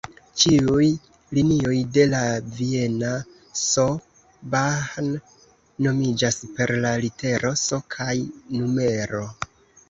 Ĉiuj linioj de la viena "S-Bahn" nomiĝas per la litero "S" kaj numero.